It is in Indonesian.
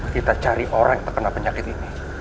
kita cari orang yang terkena penyakit ini